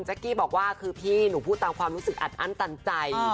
กี้บอกว่าคือพี่หนูพูดตามความรู้สึกอัดอั้นตันใจ